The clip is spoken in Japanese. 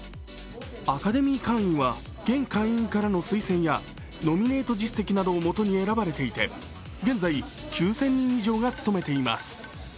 アカデミー会員は現会員からの推薦やノミネート実績などをもとに選ばれていて現在９０００人以上が務めています。